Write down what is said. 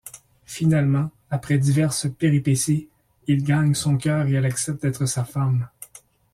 Finalement, après diverses péripéties, il gagne son cœur et elle accepte d'être sa femme.